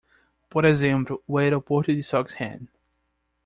Por exemplo, o aeroporto de Songshan